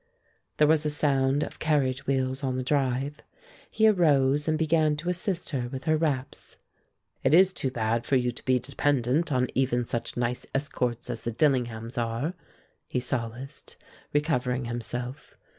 There was a sound of carriage wheels on the drive. He arose and began to assist her with her wraps. "It is too bad for you to be dependent on even such nice escorts as the Dillinghams are," he solaced, recovering himself.